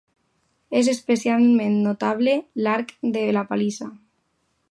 És especialment notable l'arc de la pallissa.